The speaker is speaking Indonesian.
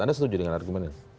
anda setuju dengan argumen ini